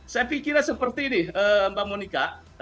saya pikirnya seperti ini mbak monika